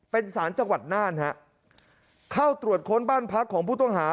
เป็นสารจังหวัดน่านฮะเข้าตรวจค้นบ้านพักของผู้ต้องหา